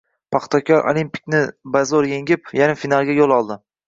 “Paxtakor” “Olimpik”ni bazo‘r yengib, yarim finalga yo‘l oldi